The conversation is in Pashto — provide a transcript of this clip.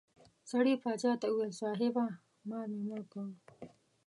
سړي باچا ته وویل صاحبه مار مې مړ کړ.